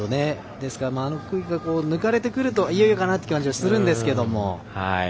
ですからあの空気が抜かれてくると、いよいよかなという感じがするんですが。